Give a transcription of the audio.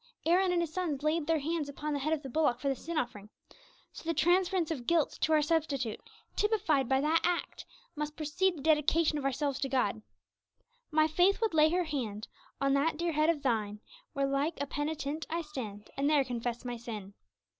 'Aaron and his sons laid their hands upon the head of the bullock for the sin offering.' So the transference of guilt to our Substitute, typified by that act, must precede the dedication of ourselves to God. 'My faith would lay her hand On that dear head of Thine, While like a penitent I stand, And there confess my sin.'